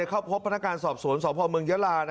เข้าพบพนักงานสอบสวนสพเมืองยาลา